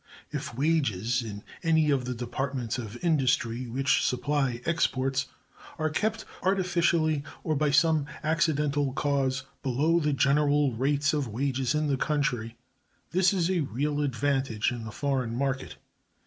If wages, in any of the departments of industry which supply exports, are kept, artificially or by some accidental cause, below the general rate of wages in the country, this is a real advantage in the foreign market.